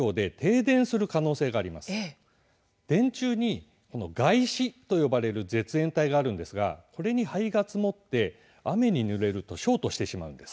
電柱に、がいしと呼ばれる絶縁体があるんですがこれに灰が積もって雨にぬれるとショートしてしまうんです。